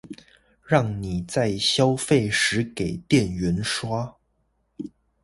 讓你在消費時給店員刷